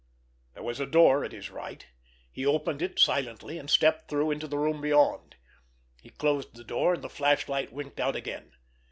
There was a door at his right. He opened it silently, and stepped through into the room beyond. He closed the door, and the flashlight winked out again.